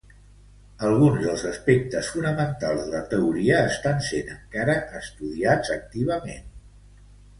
Alguns dels aspectes fonamentals de la teoria estan sent encara estudiats activament.